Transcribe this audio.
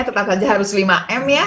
tetap saja harus lima m ya